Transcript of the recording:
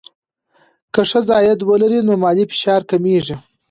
که ښځه عاید ولري، نو مالي فشار کمېږي.